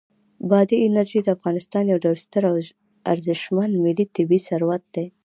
بادي انرژي د افغانستان یو ډېر ستر او ارزښتمن ملي طبعي ثروت دی.